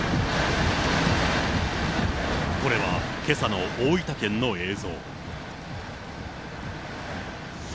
これはけさの大分県の映像。